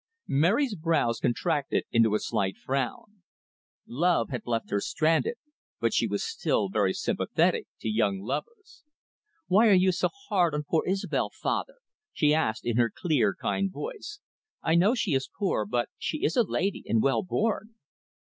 Mary's brows contracted into a slight frown: Love had left her stranded, but she was still very sympathetic to young lovers. "Why are you so hard on poor Isobel, father?" she asked in her clear, kind voice. "I know she is poor, but she is a lady and well born."